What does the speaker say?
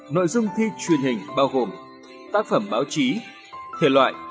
nội dung thi truyền hình bao gồm tác phẩm báo chí thể loại